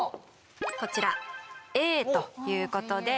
こちら「Ａ」ということで。